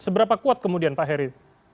seberapa kuat kemudian pak heri